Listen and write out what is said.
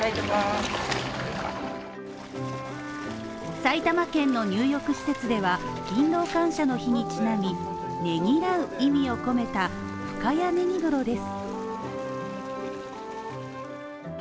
埼玉県の入浴施設では勤労感謝の日にちなみネギらう意味を込めた深谷ねぎ風呂です。